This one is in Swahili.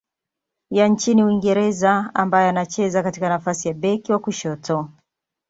ya nchini Uingereza ambaye anacheza katika nafasi ya beki wa kushoto.